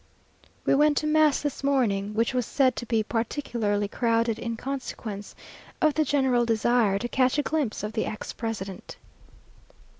We went to mass this morning, which was said to be particularly crowded in consequence of the general desire to catch a glimpse of the ex president....